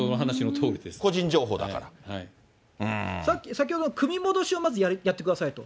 先ほども組み戻しをまずやってくださいと。